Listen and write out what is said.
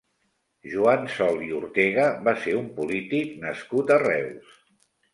Joan Sol i Ortega va ser un polític nascut a Reus.